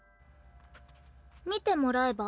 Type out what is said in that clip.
見てもらえば？